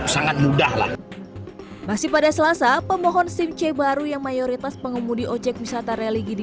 sangat mudah lah masih pada selasa pemohon sim c baru yang mayoritas pengemudi ojek wisata religi di